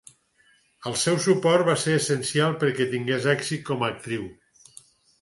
El seu suport va ser essencial perquè tingués èxit com a actriu.